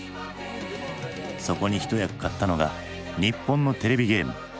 そこに一役買ったのが日本のテレビゲーム。